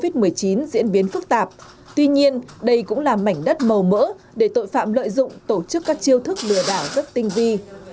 tuy nhiên đây cũng là mảnh đất màu mỡ để tội phạm lợi dụng tổ chức các chiêu thức lừa đảo rất tinh vi